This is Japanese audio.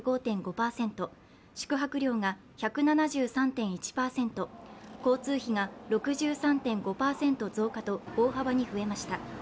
宿泊料が１７３．１％、交通費が６３．５％増加と大幅に増えました。